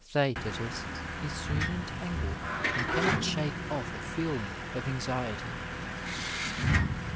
Theaetetus is soon entangled and cannot shake off a feeling of anxiety.